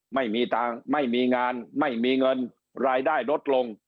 ไม่มีทางไม่มีงานไม่มีเงินรายได้ลดลง